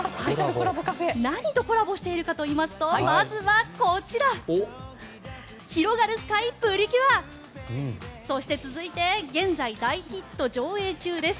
何とコラボしているのかといいますとまずはこちら「ひろがるスカイ！プリキュア」そして、続いて現在大ヒット上映中です。